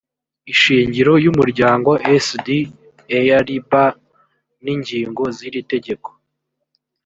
ishingiro y umuryango s d airiba n ingingo z iri tegeko